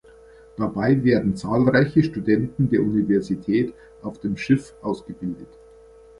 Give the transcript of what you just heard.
Dabei werden zahlreiche Studenten der Universität auf dem Schiff ausgebildet.